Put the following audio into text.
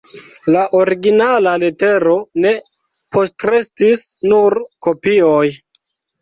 La originala letero ne postrestis, nur kopioj.